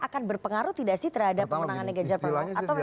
akan berpengaruh tidak sih terhadap pemenangannya gadjar pahlawo